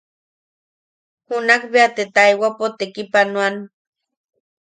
Junak beate taewapo tekipanoan.